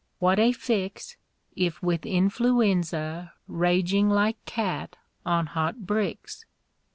What a fix If with Influenza raging like cat on hot bricks!